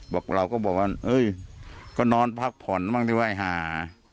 เราก็บอกว่าเอ้ยก็นอนพักผ่อนบ้างดีไว้หา